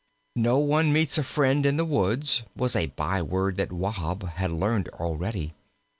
"No one meets a friend in the woods," was a byword that Wahb had learned already.